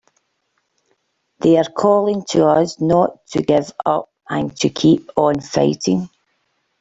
They're calling to us not to give up and to keep on fighting!